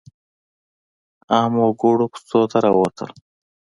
عامو وګړو کوڅو ته راووتل.